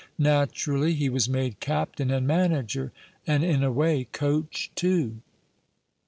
Naturally, he was made captain and manager, and, in a way, coach too."